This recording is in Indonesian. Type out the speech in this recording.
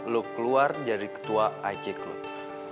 lo keluar dari ketua ic klut